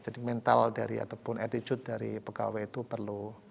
jadi mental dari ataupun attitude dari pkw itu perlu